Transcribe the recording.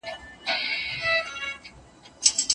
په واده کي ميلمستيا کول د رسول الله عملي سنت دي.